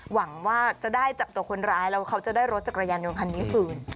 หวังว่าจะได้จับตัวคนร้ายแล้วเขาจะได้รถจักรยานยนต์คันนี้คืน